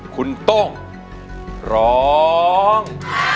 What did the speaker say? คุณโต้งร้อง